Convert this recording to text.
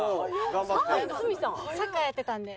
サッカーやってたんで。